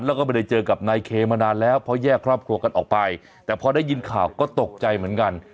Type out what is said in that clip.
แล้วก็ไม่ได้เจอกับนายเคมานานแล้วเพราะแยกครอบครัวกันออกไปแต่พอได้ยินข่าวก็ตกใจเหมือนกัน